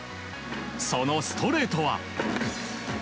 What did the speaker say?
そのストレートは。